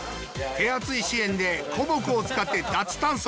手厚い支援で古木を使って脱炭素。